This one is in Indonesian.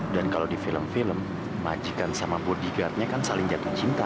dan kalau di film film majikan sama bodyguardnya kan saling jatuh cinta